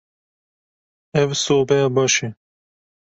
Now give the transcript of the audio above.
Ev sobeya baş e.